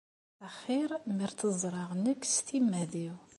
Axir mer ad t-ẓreɣ nekk s timmad-iw.